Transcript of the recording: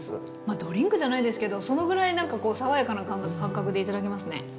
ドリンクじゃないですけどそのぐらいなんか爽やかな感覚で頂けますね。